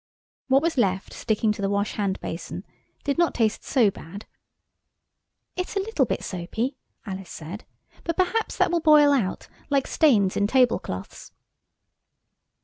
What was left sticking to the wash hand basin did not taste so bad. "It's a little bit soapy," Alice said, "but perhaps that will boil out; like stains in table cloths."